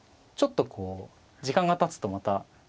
ちょっとこう時間がたつとまた。